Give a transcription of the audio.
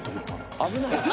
「危ない」？